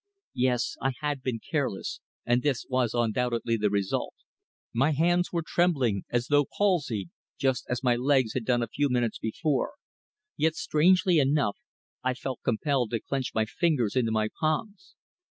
Yes, I had been careless, and this was undoubtedly the result. My hands were trembling as though palsied, just as my legs had done a few minutes before, yet strangely enough I felt compelled to clench my fingers into my palms.